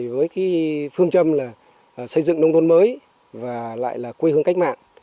với phương trâm xây dựng nông thôn mới và lại là quê hương cách mạng